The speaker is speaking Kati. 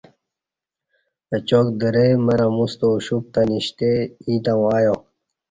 اچاک درئ مر اموستہ اُوشُپ تہ نشتی ییں تاوں ایا